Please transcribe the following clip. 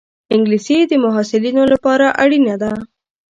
انګلیسي د محصلینو لپاره اړینه ده